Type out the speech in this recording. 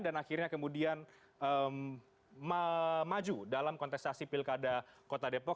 dan akhirnya kemudian maju dalam kontestasi pilkada kota depok